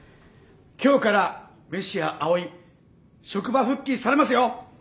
今日からメシア藍井職場復帰されますよ。